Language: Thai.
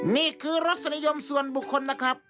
นี่คือรสนิยมส่วนบุคคลนะครับ